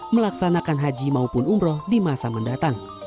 melaksanakan haji maupun umroh di masa mendatang